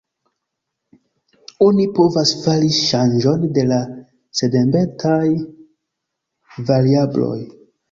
Oni povas fari ŝanĝon de la sendependaj variabloj.